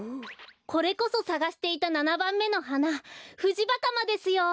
これこそさがしていた７ばんめのはなフジバカマですよ！